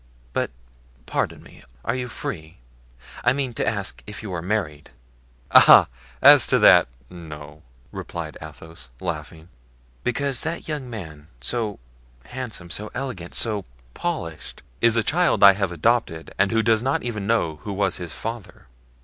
But pardon me, are you free? I mean to ask if you are married?" "Ah! as to that, no," replied Athos, laughing. "Because that young man, so handsome, so elegant, so polished——" "Is a child I have adopted and who does not even know who was his father."